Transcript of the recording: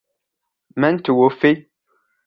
من توفي ؟